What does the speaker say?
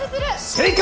正解！